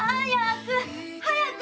早く！